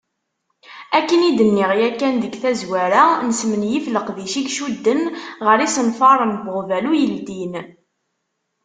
Akken i d-nniɣ yakan deg tazwara, nesmenyif leqdic i icudden ɣer yisenfaren n uɣbalu yeldin.